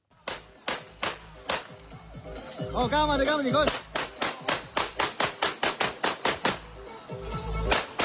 เอาก้าวมาด้วยก้าวมาดีกว่านี้ค่ะ